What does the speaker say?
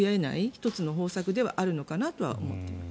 １つの方策ではあるのかなと思います。